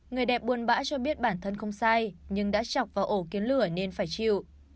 người đẹp buôn bã cho biết bản thân không sai nhưng đã chọc vào ổ kiếm lửa nên phải chịu